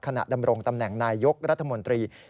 ดำรงตำแหน่งนายยกรัฐมนตรี